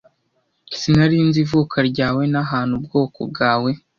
sinari nzi ivuka ryawe n'ahantu ubwoko bwawe